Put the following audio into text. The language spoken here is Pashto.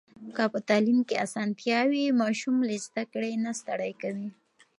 په تعلیم کې اسانتيا وي، ماشوم له زده کړې نه ستړی کوي.